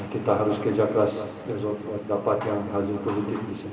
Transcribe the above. kita harus kejagat dapatkan hasil positif di sini